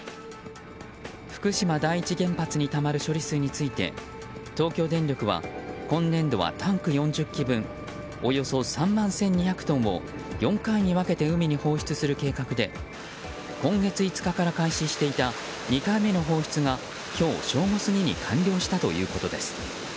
福島第一原発にたまる処理水について東京電力は、今年度はタンク４０基分およそ３万１２００トンを４回に分けて海に放出する計画で今月５日から開始していた２回目の放出が今日正午過ぎに完了したということです。